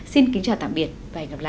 xin kính chào tạm biệt và hẹn gặp lại